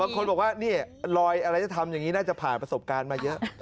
คนบอกว่านี่ลอยอะไรจะทำอย่างนี้น่าจะผ่านประสบการณ์มาเยอะ